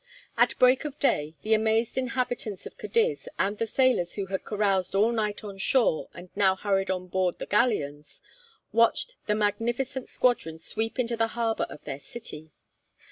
At break of day, the amazed inhabitants of Cadiz, and the sailors who had caroused all night on shore and now hurried on board the galleons, watched the magnificent squadron sweep into the harbour of their city.